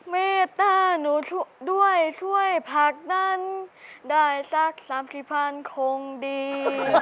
เมตตาหนูด้วยช่วยพักนั้นได้สักสามสิบพันคงดี